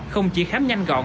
không chỉ khám nhanh gọn